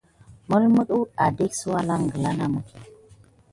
Mulmu adek sə walanŋ gkla namə.